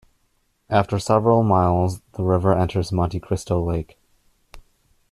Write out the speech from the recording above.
After several miles the river enters Monte Cristo Lake.